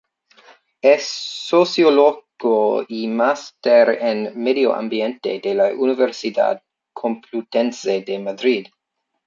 Es sociólogo y máster en Medio Ambiente de la Universidad Complutense de Madrid.